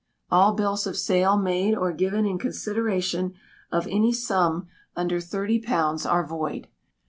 All bills of sale made or given in consideration of any sum under £30 are void.